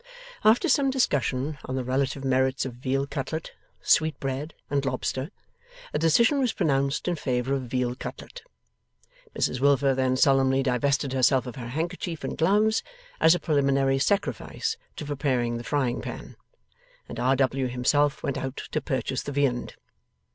After some discussion on the relative merits of veal cutlet, sweetbread, and lobster, a decision was pronounced in favour of veal cutlet. Mrs Wilfer then solemnly divested herself of her handkerchief and gloves, as a preliminary sacrifice to preparing the frying pan, and R. W. himself went out to purchase the viand.